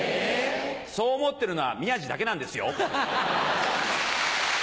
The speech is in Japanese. そう思ってるのは宮治だけなんですよ。